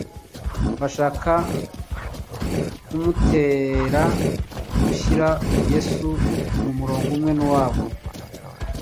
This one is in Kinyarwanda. bashaka kumutera gushyira Yesu mu murongo umwe nk'uwabo.